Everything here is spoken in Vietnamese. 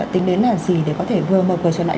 tính đến là gì để có thể vừa mở cửa trở lại